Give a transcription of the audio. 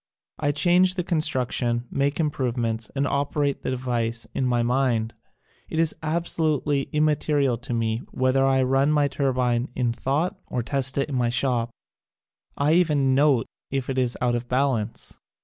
I change the construction, make improvements and operate the device in my mind. It is absolutely immaterial to me whether I run my turbine in thought or test it in my shop. / even note if it is out of balance.